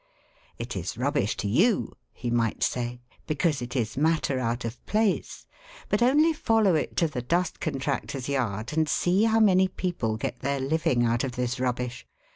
" It is rubbish to you," he might say, " because it is ' matter out of place ': but only follow it to the dust con tractor's yard, and see how many people get their living out of this rubbish.